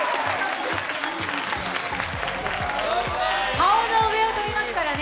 顔の上を飛びますからね。